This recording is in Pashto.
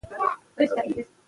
په څپلیو کي یې پښې یخی کېدلې